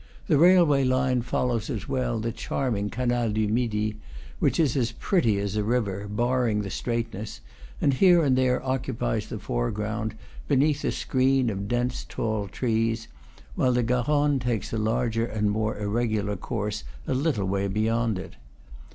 The railway line follows as well the charm ing Canal du Midi, which is as pretty as a river, bar ring the straightness, and here and there occupies the foreground, beneath a screen of dense, tall trees, while the Garonne takes a larger and more irregular course a little way beyond it.